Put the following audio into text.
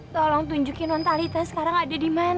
tolong tunjukin mentalitas sekarang ada di mana